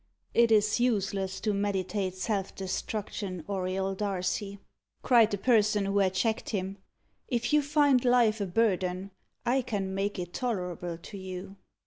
"It is useless to meditate self destruction, Auriol Darcy," cried the person who had checked him. "If you find life a burden, I can make it tolerable to you."